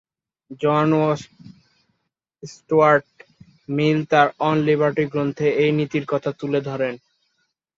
জন Stuart Mill তার "On Liberty" গ্রন্থে এই নীতির কথা তুলে ধরেন।